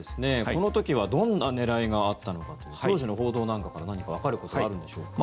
この時はどんな狙いがあったのか当時の報道なんかから何かわかることはあるんでしょうか。